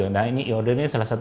nah e order ini salah satu